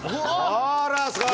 あらすごい。